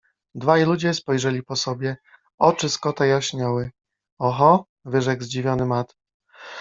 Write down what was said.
Dwaj ludzie spojrzeli po sobie. Oczy Scotta jaśniały. - Oho! - wyrzekł zdziwiony Matt